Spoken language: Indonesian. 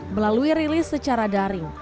melalui rilis secara daring